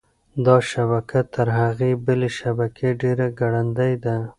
دا شبکه تر هغې بلې شبکې ډېره ګړندۍ ده.